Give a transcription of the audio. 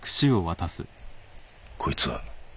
こいつは。